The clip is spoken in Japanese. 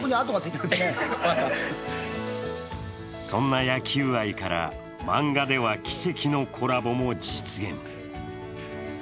そんな野球愛から漫画では奇跡のコラボも実現。